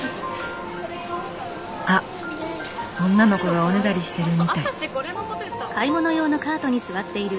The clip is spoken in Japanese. あっ女の子がおねだりしてるみたい。